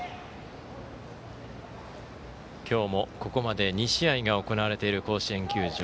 今日もここまで２試合が行われている甲子園球場。